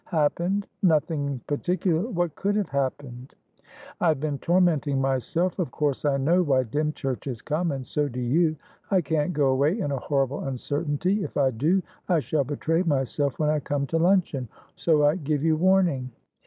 "Happened? Nothing particular. What could have happened?" "I have been tormenting myself. Of course I know why Dymchurch has come, and so do you. I can't go away in a horrible uncertainty. If I do, I shall betray myself when I come to luncheon, so I give you warning."